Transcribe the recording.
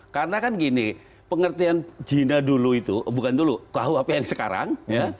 karena kan gini pengertian jina dulu itu bukan dulu kawah apa yang sekarang